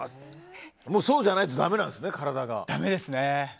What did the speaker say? もう、そうじゃないとだめなんですね。